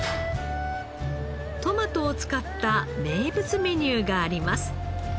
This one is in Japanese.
トマトを使った名物メニューがあります。